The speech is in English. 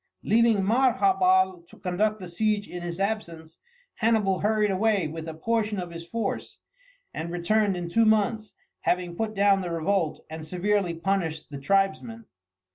Leaving Maharbal to conduct the siege in his absence, Hannibal hurried away with a portion of his force, and returned in two months, having put down the revolt and severely punished the tribesmen.